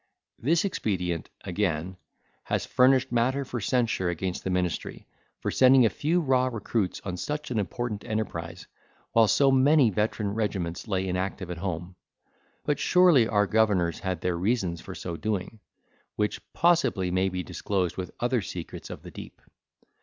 This expedient, again, has furnished matter for censure against the ministry, for sending a few raw recruits on such an important enterprise, while so many veteran regiments lay inactive at home. But surely our governors had their reasons for so doing, which possibly may be disclosed with other secrets of the deep.